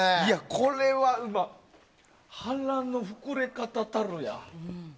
これは、腹の膨れ方たるや。